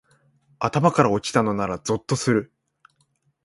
頭から落ちたのならゾッとする